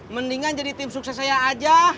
mendingan jadi tim sukses saya aja